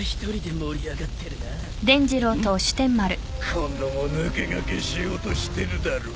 今度も抜け駆けしようとしてるだろう。